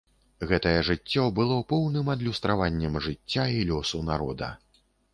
Гэтае жыццё было поўным адлюстраваннем жыцця і лёсу народа.